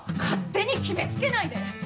勝手に決めつけないで。